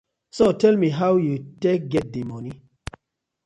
So tell me, how yu tak get di moni?